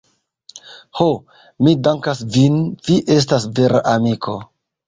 Ho, mi dankas vin, vi estas vera amiko.